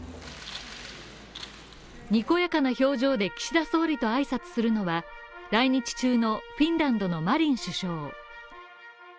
にこやかな表情で岸田総理と挨拶するのは、来日中のフィンランドのマリン首相